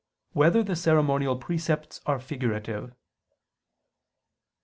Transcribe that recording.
2] Whether the Ceremonial Precepts Are Figurative?